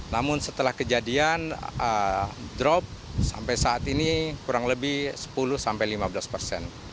namun setelah kejadian drop sampai saat ini kurang lebih sepuluh sampai lima belas persen